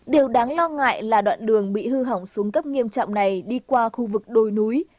điều đáng lo ngại là đoạn đường bị hư hỏng xuống cấp nghiêm trọng này đi qua khu vực đồi núi